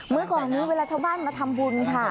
เมื่อก่อนนี้เวลาชาวบ้านมาทำบุญค่ะ